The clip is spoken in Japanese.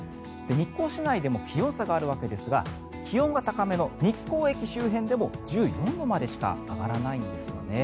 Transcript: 日光市内でも気温差があるわけですが気温が高めの日光駅周辺でも１４度までしか上がらないんですね。